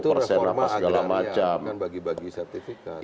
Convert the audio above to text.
di nawacita itu reforma agraria kan bagi bagi sertifikat